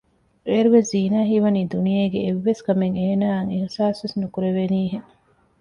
އޭރުވެސް ޒީނާ ހީވަނީ ދުނިޔޭގެ އެއްވެސްކަމެއް އޭނައަށް އިހްސާސް ވެސް ނުކުރެވެނީ ހެން